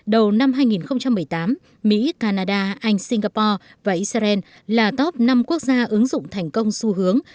đầu năm hai nghìn một mươi tám mỹ canada anh singapore và israel là top năm quốc gia ứng dụng thành công xu hướng